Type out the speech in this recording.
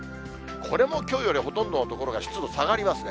これもきょうよりほとんどの所が湿度下がりますね。